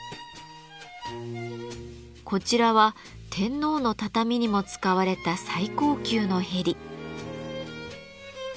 こちらは天皇の畳にも使われた最高級のへり。